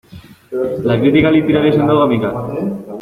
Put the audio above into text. La crítica literaria es endogámica.